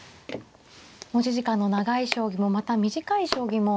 持ち時間の長い将棋もまた短い将棋も。